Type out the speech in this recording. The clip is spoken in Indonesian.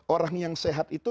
orang yang sehat itu